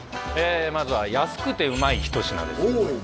まずは安くてうまい一品ですおお！